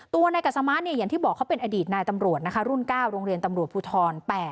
นายกัสมาร์อย่างที่บอกเขาเป็นอดีตนายตำรวจนะคะรุ่น๙โรงเรียนตำรวจภูทร๘